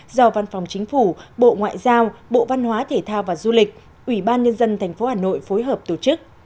do văn phòng chính phủ bộ ngoại giao bộ văn hóa thể thao và du lịch ủy ban nhân dân tp hà nội phối hợp tổ chức